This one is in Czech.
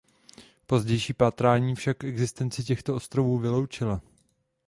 Pozdější pátrání však existenci těchto ostrovů vyloučila.